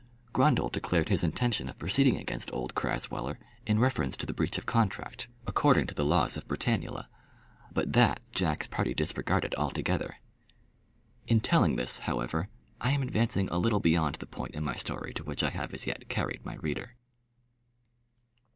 Grundle declared his intention of proceeding against old Crasweller in reference to the breach of contract, according to the laws of Britannula; but that Jack's party disregarded altogether. In telling this, however, I am advancing a little beyond the point in my story to which I have as yet carried my reader.